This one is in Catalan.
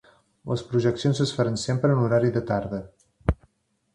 Les projeccions es faran sempre en horari de tarda.